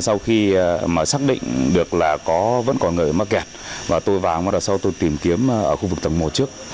sau khi xác định được là vẫn có người mắc kẹt tôi vào sau tôi tìm kiếm khu vực tầng một trước